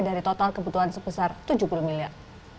dari total kebutuhan sebesar tujuh puluh miliar